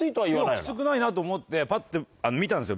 きつくないなと思ってぱって見たんですよ